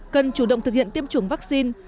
cần chủ động thực hiện tiêm chủng vaccine